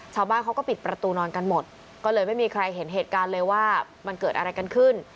ชาวบ้านเขาก็ปิดประตูนอนกันหมดก็เลยไม่มีใครเห็นเหตุการณ์เลยว่ามันเกิดอะไรกันขึ้น